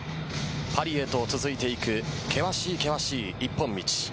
パリへと続いていく険しい険しい一本道。